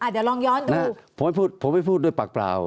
ตั้งแต่เริ่มมีเรื่องแล้ว